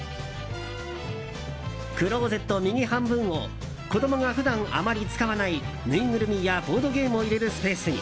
クローゼット右半分を子供が普段あまり使わないぬいぐるみやボードゲームを入れるスペースに。